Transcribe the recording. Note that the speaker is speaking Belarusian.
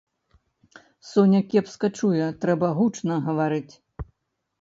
Соня кепска чуе, трэба гучна гаварыць.